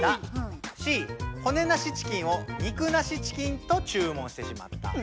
Ｃほねなしチキンを肉なしチキンと注文してしまった。